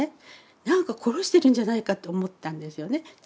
何か殺してるんじゃないかと思ったんですよね。